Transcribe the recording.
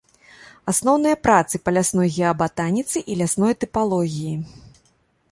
Асноўныя працы па лясной геабатаніцы і лясной тыпалогіі.